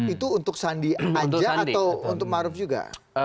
itu untuk sandi aja atau untuk maruf juga